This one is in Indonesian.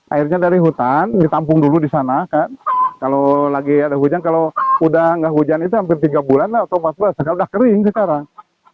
airnya dari hutan ditampung dulu di sana kan kalau lagi ada hujan kalau udah nggak hujan itu hampir tiga bulan lah atau empat belas kalau udah kering sekarang